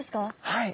はい。